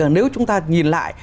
nếu chúng ta nhìn lại